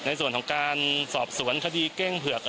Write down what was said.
ในส่วนของการสอบสวนคดีเก้งเผือก